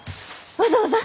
わざわざ？